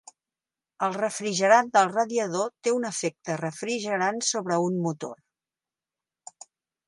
El refrigerant del radiador té un efecte refrigerant sobre un motor.